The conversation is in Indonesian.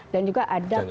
dan juga ada pokok